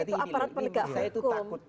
itu aparat menegak hukum